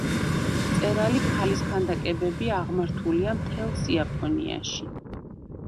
მწერალი ქალის ქანდაკებები აღმართულია მთელს იაპონიაში.